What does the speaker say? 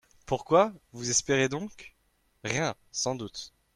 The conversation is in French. Pourquoi ? Vous espérez donc ?… Rien, sans doute.